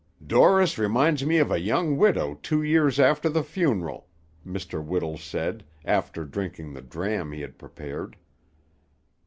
"Dorris reminds me of a young widow two years after the funeral," Mr. Whittle said, after drinking the dram he had prepared.